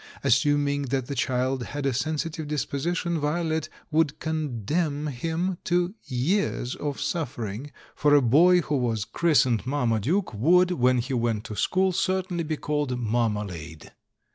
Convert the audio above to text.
Assuming that the child had a sensitive disposition, Violet would condemn him to years of suff'ering, for a boy who was christ ened "Marmaduke" would, when he went to school, certainly be called "Marmalade."